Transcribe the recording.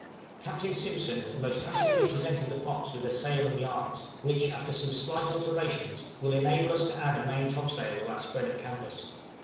Captain Simpson has most handsomely presented the 'Fox' with a sail and yards, which, after some slight alterations, will enable us to add a main topsail to our spread of canvas.